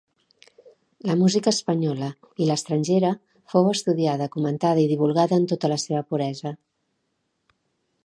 La música espanyola i l'estrangera fou estudiada, comentada i divulgada en tota la seva puresa.